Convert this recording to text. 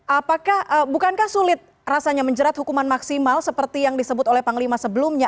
apakah bukankah sulit rasanya menjerat hukuman maksimal seperti yang disebut oleh panglima sebelumnya